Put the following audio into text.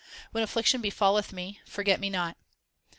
When affliction befalleth me, forget me not.